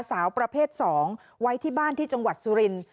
สาวประเภท๒ไว้ที่บ้านที่จังหวัดสุรินทร์